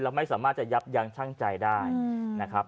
แล้วไม่สามารถจะยับยังช่างใจได้นะครับ